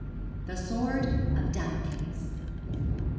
THE SWORD OF DAMOCLES.